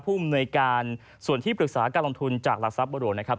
อำนวยการส่วนที่ปรึกษาการลงทุนจากหลักทรัพย์บรวงนะครับ